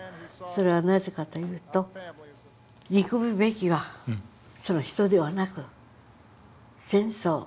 それはなぜかというと憎むべきはその人ではなく戦争。